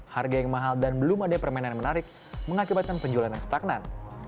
harga yang mahal dan belum ada permainan menarik mengakibatkan penjualan yang stagnan